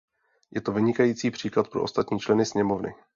Je to vynikající příklad pro ostatní členy sněmovny.